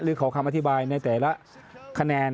หรือขอคำอธิบายในแต่ละคะแนน